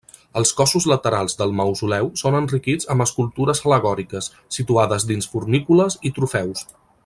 Els cossos laterals del mausoleu són enriquits amb escultures al·legòriques, situades dins fornícules, i trofeus.